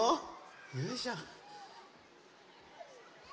よいしょ。